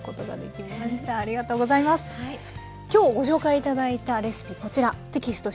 今日ご紹介頂いたレシピこちらテキスト